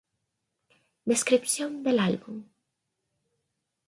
Descripción del álbum.